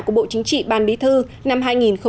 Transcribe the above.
của bộ chính trị ban bí thư năm hai nghìn một mươi chín